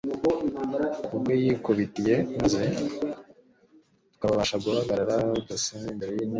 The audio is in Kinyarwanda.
ubwe yikubitiye, maze tukazabasha guhagarara tudatsinzwe imbere y'intebe y'imana